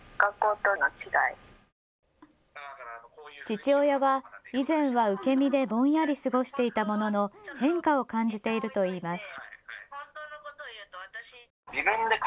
父親は以前は受け身でぼんやり過ごしていたものの変化を感じているといいます。